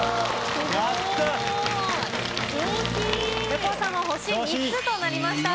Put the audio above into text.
横尾さんは星３つとなりました。